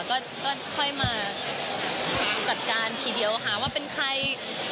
ก็ค่อยมาจัดการทีเดียวหาว่าเป็นใคร